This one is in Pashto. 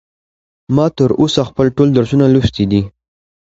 ما تر اوسه خپل ټول درسونه لوستي دي.